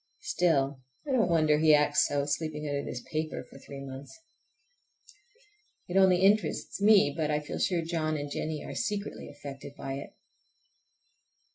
Still, I don't wonder he acts so, sleeping under this paper for three months. It only interests me, but I feel sure John and Jennie are secretly affected by it.